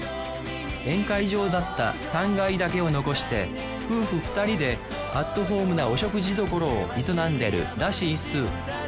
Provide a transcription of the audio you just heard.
宴会場だった３階だけを残して夫婦２人でアットホームなお食事処を営んでるらしいっす